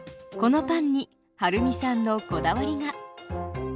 このパンにはるみさんのこだわりが。